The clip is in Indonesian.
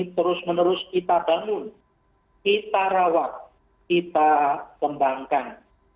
terus menerus kita bangun kita rawat kita kembangkan